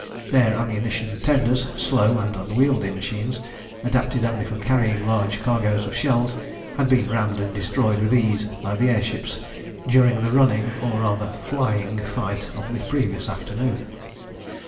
Their ammunition tenders, slow and unwieldy machines, adapted only for carrying large cargoes of shells, had been rammed and destroyed with ease by the air ships during the running, or rather flying, fight of the previous afternoon.